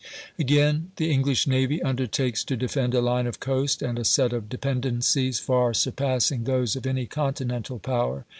Again, the English navy undertakes to defend a line of coast and a set of dependencies far surpassing those of any continental power.